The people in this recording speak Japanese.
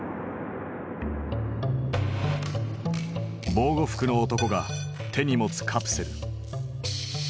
防護服の男が手に持つカプセル。